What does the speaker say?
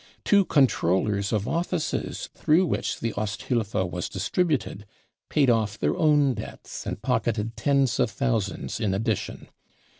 Two controllers of offices through which the Osthilfe was* distributed, paid off their own debts and pocketed tens of thousands in addition.